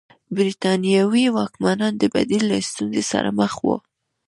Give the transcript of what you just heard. برېټانوي واکمنان د بدیل له ستونزې سره مخ وو.